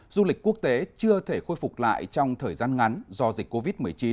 du lịch quốc tế chưa thể khôi phục lại trong thời gian ngắn do dịch covid một mươi chín